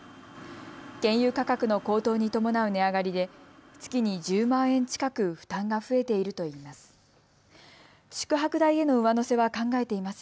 原油価格の高騰に伴う値上がりで月に１０万円近く負担が増えているといいます。